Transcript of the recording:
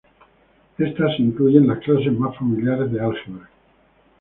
Éstas incluyen las clases más familiares de álgebra.